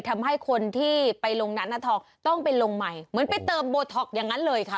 ทำให้คนที่ไปลงนาทองต้องไปลงใหม่เหมือนไปเติมโบท็อกอย่างนั้นเลยค่ะ